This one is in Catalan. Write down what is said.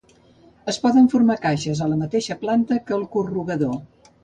Es poden formar caixes a la mateixa planta que el corrugador.